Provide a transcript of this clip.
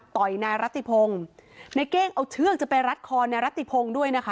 ต่อยนายรัติพงศ์นายเก้งเอาเชือกจะไปรัดคอนายรัติพงศ์ด้วยนะคะ